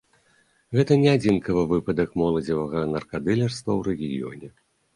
Гэта не адзінкавы выпадак моладзевага наркадылерства ў рэгіёне.